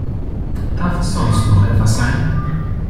Darf es sonst noch etwas sein?